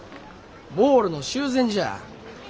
ボールの修繕じゃあ。